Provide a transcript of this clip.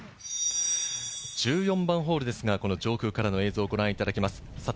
１４番ホールですが、上空からの映像をご覧いただきます。